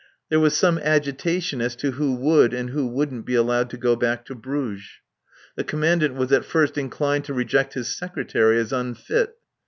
There was some agitation as to who would and who wouldn't be allowed to go back to Bruges. The Commandant was at first inclined to reject his Secretary as unfit.